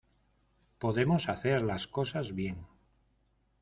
podemos hacer las cosas bien.